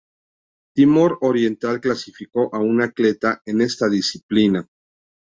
Timor Oriental clasificó a un atleta en esta disciplina.